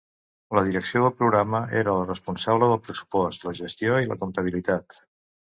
La Direcció del Programa era la responsable del pressupost, la gestió i la comptabilitat.